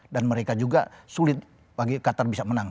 dan mereka juga sulit bagi qatar bisa menang